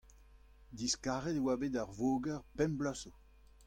diskaret e oa bet ar voger pemp bloaz zo.